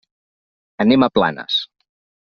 Anem a Planes.